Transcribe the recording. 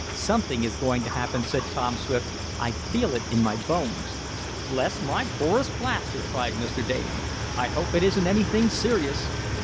"Something is going to happen," said Tom Swift. "I feel it in my bones!" "Bless my porous plaster!" cried Mr. Damon. "I hope it isn't anything serious."